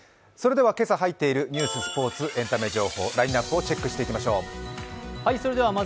今朝入っているニュース、スポーツエンタメ情報、ラインナップをチェックしていきましょう。